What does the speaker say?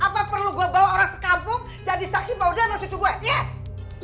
apa perlu gue bawa orang sekampung jadi saksi bahwa udah cucu gue